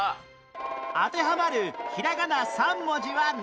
当てはまるひらがな３文字はなんでしょう？